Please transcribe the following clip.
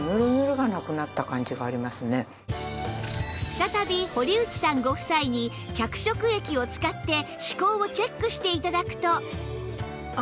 再び堀内さんご夫妻に着色液を使って歯垢をチェックして頂くと